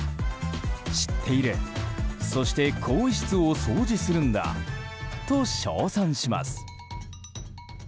知っている、そして更衣室を掃除するんだと称賛します。